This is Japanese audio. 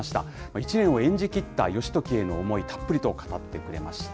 １年を演じきった義時への思い、たっぷりと語ってくれました。